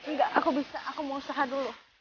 enggak aku bisa aku mau usaha dulu